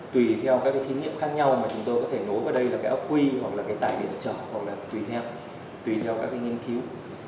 tùy theo các cái thí nghiệm khác nhau mà chúng tôi có thể nối vào đây là cái áp huy hoặc là cái tải điện trở hoặc là tùy theo các cái nghiên cứu